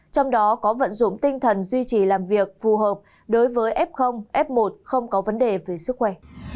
trong đó có vận dụng tinh thần duy trì làm việc phù hợp đối với f f một không có vấn đề về sức khỏe